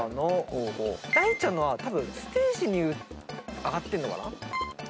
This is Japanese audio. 大ちゃんのはたぶんステージに上がってるのかな？